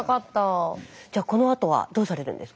じゃあこのあとはどうされるんですか？